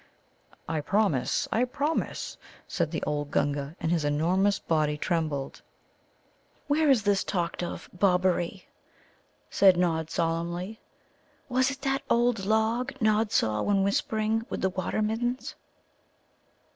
"I promise, I promise," said the old Gunga, and his enormous body trembled. "Where is this talked of Bobberie?" said Nod solemnly. "Was it that old log Nod saw when whispering with the Water middens?"